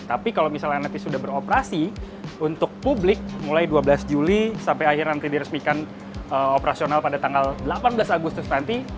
tapi kalau misalnya lrt sudah beroperasi untuk publik mulai dua belas juli sampai akhir nanti diresmikan operasional pada tanggal delapan belas agustus nanti